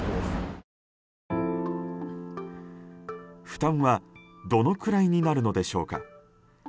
負担はどのくらいになるのでしょうか。